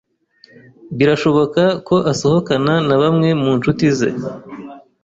birashoboka ko asohokana na bamwe mu nshuti ze.